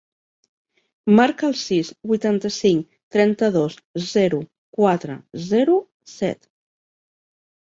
Marca el sis, vuitanta-cinc, trenta-dos, zero, quatre, zero, set.